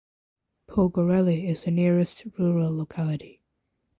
Pogorely is the nearest rural locality.